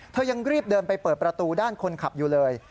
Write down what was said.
ยังรีบเดินไปเปิดประตูด้านคนขับอยู่เลย